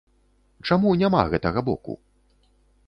Чаму няма гэтага боку?